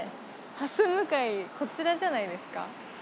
はす向かいこちらじゃないですか？